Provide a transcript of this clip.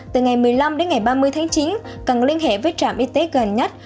từ ngày một mươi năm đến ngày ba mươi tháng chín cần liên hệ với trạm y tế gần nhất